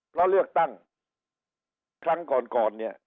เพราะเลือกตั้งครั้งก่อนก่อนเนี่ย